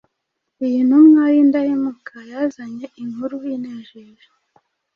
Iyi ntumwa y’indahemuka yazanye inkuru inejeje